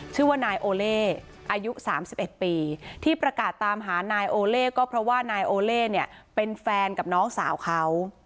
ชื่อว่านายโอเล่อายุ๓๑ปีที่ประกาศตามหานายโอเล่ก็เพราะว่านายโอเล่เนี่ยเป็นแฟนกับน้องสาวเขา